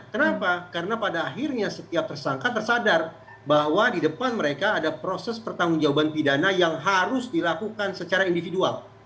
kenapa karena pada akhirnya setiap tersangka tersadar bahwa di depan mereka ada proses pertanggung jawaban pidana yang harus dilakukan secara individual